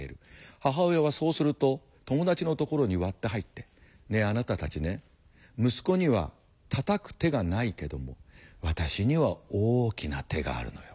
母親はそうすると友達のところに割って入って「ねえあなたたちね息子にはたたく手がないけども私には大きな手があるのよ。